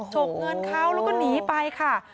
ฉกเงินเขาแล้วก็หนีไปค่ะ